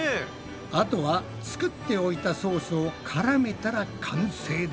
あとは作っておいたソースをからめたら完成だ。